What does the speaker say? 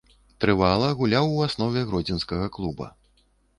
Трывала гуляў у аснове гродзенскага клуба.